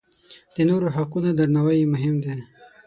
د نورو حقونه درناوی یې مهم دی.